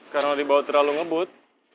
karena dibawa terlalu ngebut